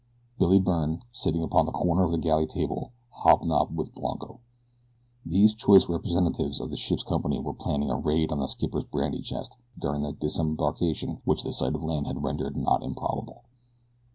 Billy Byrne, sitting upon the corner of the galley table, hobnobbed with Blanco. These choice representatives of the ship's company were planning a raid on the skipper's brandy chest during the disembarkation which the sight of land had rendered not improbable.